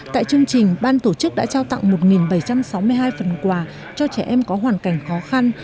tại chương trình ban tổ chức đã trao tặng một bảy trăm sáu mươi hai phần quà cho trẻ em có hoàn cảnh khó khăn